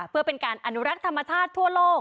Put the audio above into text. เพื่อเป็นการอนุรักษ์ธรรมชาติทั่วโลก